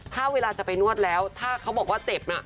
ถ้าเวลาจะไปนวดแล้วถ้าเขาบอกว่าเจ็บน่ะ